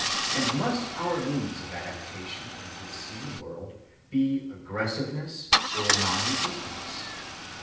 and must our means of adaptation in this seen world be aggressiveness or non‐resistance?